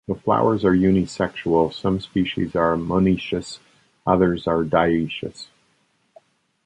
The flowers are unisexual, some species are monoecious, others dioecious.